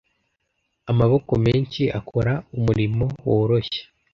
Amaboko menshi akora umurimo woroshye.